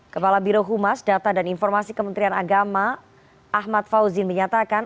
kepala birohumas data dan informasi kementerian agama ahmad fauzin menyatakan